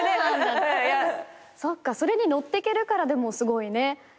そっかそれにのってけるからすごいね。